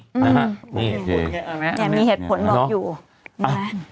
นี่คุณมีเหตุผลบอกอยู่